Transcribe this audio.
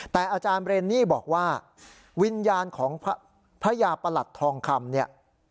แต่อาจารย์เรนนี่บอกว่าวิญญาณของพระยาประหลัดทองคำเนี่ย